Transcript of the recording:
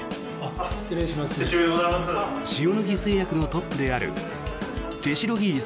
塩野義製薬のトップである手代木功